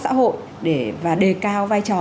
xã hội và đề cao vai trò